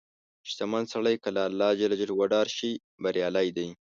• شتمن سړی که له الله وډار شي، بریالی دی.